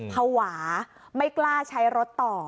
ภาวะไม่กล้าใช้รถต่อ